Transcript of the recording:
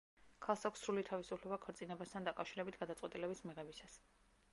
ქალს აქვს სრული თავისუფლება ქორწინებასთან დაკავშირებით გადაწყვეტილების მიღებისას.